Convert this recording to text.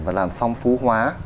và làm phong phú hóa